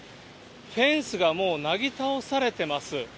フェンスがもうなぎ倒されてます。